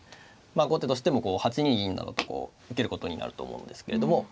後手としても８二銀などとこう受けることになると思うんですけれども。